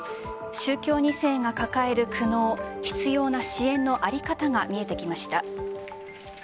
宗教２世が抱える苦悩必要な支援の在り方が見えてきました。